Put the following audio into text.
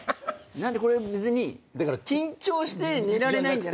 なんでこれ別に緊張して寝られないんじゃないんだよな。